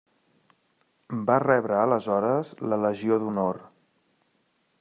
Va rebre aleshores la Legió d'Honor.